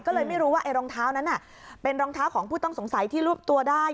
ก็เลยไม่รู้ว่าไอ้รองเท้านั้นเป็นรองเท้าของผู้ต้องสงสัยที่รวบตัวได้